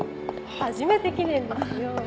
初めて記念ですよ。